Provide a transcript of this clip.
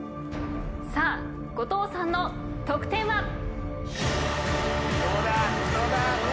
さあ後藤さんの得点は？